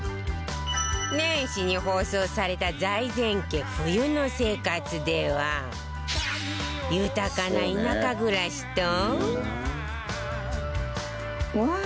年始に放送された財前家冬の生活では豊かな田舎暮らしと